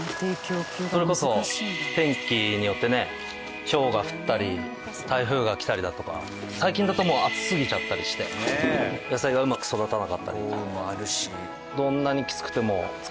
それこそ天気によってねひょうが降ったり台風が来たりだとか最近だともう暑すぎちゃったりして野菜がうまく育たなかったり。